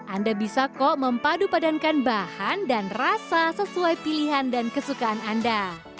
anda bisa kok mempadu padankan bahan dan rasa sesuai pilihan dan kesukaan anda